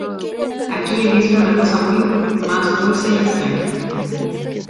Aquí he visto una cosa muy más dulce y extraña.